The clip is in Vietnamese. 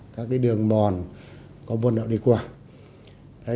các đường mòn có buôn đậu đi qua